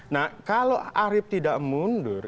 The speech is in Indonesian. nah kalau arief tidak mundur